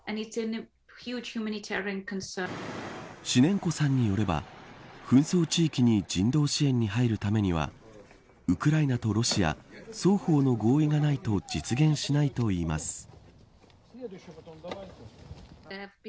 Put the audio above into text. シネンコさんによれば紛争地域に人道支援に入るためにはウクライナとロシア、双方の合意がないと実現しないといいます。